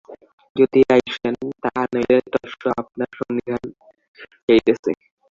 যদি আইসেন, তাহা হইলে তৎসহ আপনার সন্নিধানে যাইতেছি।